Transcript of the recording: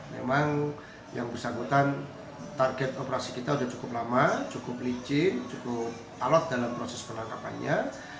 memang yang bersangkutan target operasi kita sudah cukup lama cukup licin cukup alat dalam proses penangkapannya